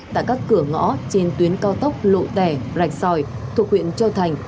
tại các cửa ngõ trên tuyến cao tốc lộ tẻ rạch sòi thuộc huyện châu thành